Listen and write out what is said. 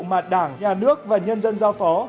mà đảng nhà nước và nhân dân giao phó